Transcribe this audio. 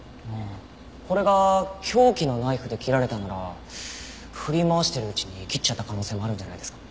これが凶器のナイフで切られたなら振り回してるうちに切っちゃった可能性もあるんじゃないですか？